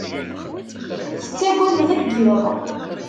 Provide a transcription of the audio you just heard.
Tettagad deg yiḍ.